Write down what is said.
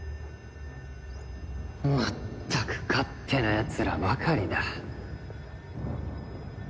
まったく勝手なやつらばかりだ。